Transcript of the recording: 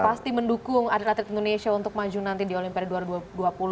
pasti mendukung atlet atlet indonesia untuk maju nanti di olimpiade dua ribu dua puluh